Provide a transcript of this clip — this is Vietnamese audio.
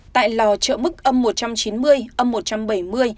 tại lò chợ mức âm một trăm chín mươi âm một trăm bảy mươi